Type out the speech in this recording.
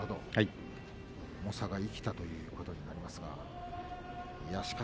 重さが生きたということになりましょうか。